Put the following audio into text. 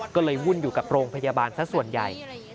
ก็เลยวุ่นอยู่กับโรงพยาบาลซะส่วนใหญ่